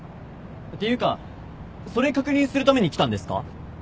ていうかそれ確認するために来たんですか？